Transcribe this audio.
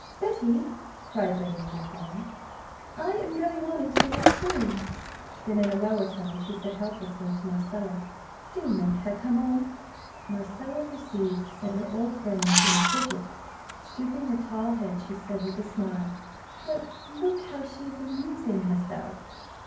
"Betty!" cried Lady Winterbourne, "I am going on into the next room." Then in a lower tone she said helplessly to Marcella: "Do make her come on!" Marcella perceived that her old friend was in a fidget. Stooping her tall head, she said with a smile: "But look how she is amusing herself!"